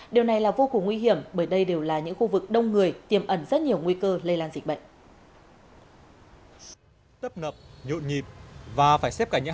điều này là vô cùng nguy hiểm bởi đây đều là những khu vực đông người tiềm ẩn rất nhiều nguy cơ lây lan dịch bệnh